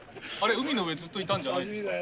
海の上、ずっといたんじゃないんですか？